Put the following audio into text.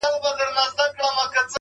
پاڅه چي ځو ترې ، ه ياره.